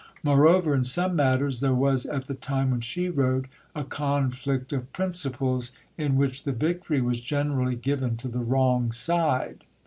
Moreover, in some matters, there was, at the time when she wrote, a conflict of principles, in which the victory was generally given to the wrong side.